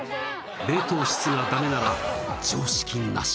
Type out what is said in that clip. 冷凍室がダメなら常識なし